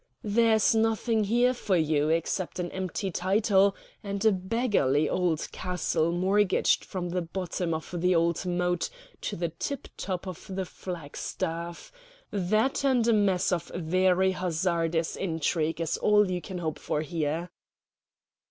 "There's nothing here for you except an empty title, and a beggarly old castle mortgaged from the bottom of the old moat to the tip top of the flagstaff. That and a mess of very hazardous intrigue is all you can hope for here."